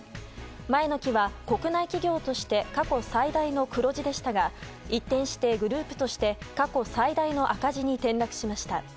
前の期は国内企業として過去最大の黒字でしたが一転してグループとして過去最大の赤字に転落しました。